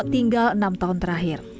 ketiga pernikahan lel enam tahun terakhir